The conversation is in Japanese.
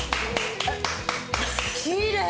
きれい！